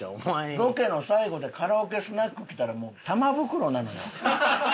ロケの最後でカラオケスナック来たらもう玉袋なのよ。